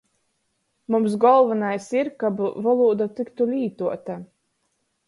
Mums golvonais ir, kab volūda tyktu lītuota.